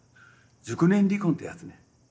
熟年離婚ってやつね。